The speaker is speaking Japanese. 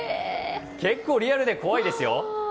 結構リアルで怖いですよ。